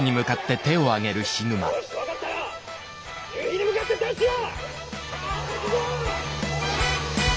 「よし分かったら夕日に向かってダッシュだ！」。